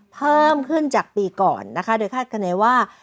เพิ่มขึ้นจากปีก่อนนะคะโดยคาดคณีว่า